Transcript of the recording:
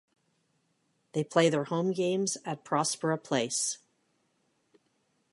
They play their home games at Prospera Place.